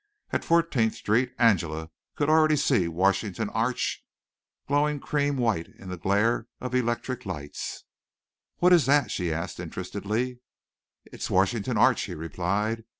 At Fourteenth Street Angela could already see Washington Arch glowing cream white in the glare of electric lights. "What is that?" she asked interestedly. "It's Washington Arch," he replied.